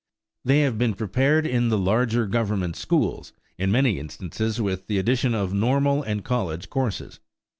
They have been prepared in the larger Government schools, in many instances with the addition of normal and college courses.